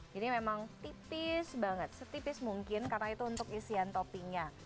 jadi memang tipis banget setipis mungkin karena itu untuk isian toppingnya